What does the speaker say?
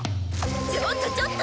ちょっとちょっと！